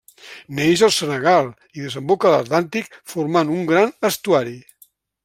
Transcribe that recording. Neix al Senegal i desemboca a l'Atlàntic formant un gran estuari.